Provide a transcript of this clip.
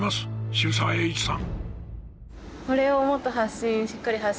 渋沢栄一さん！